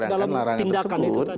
masuk ke dalam tindakan itu